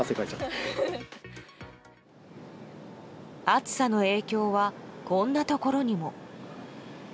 暑さの影響はこんなところにも。